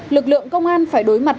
lực lượng công an phải đối mặt